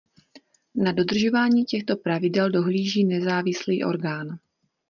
Na dodržování těchto pravidel dohlíží nezávislý orgán.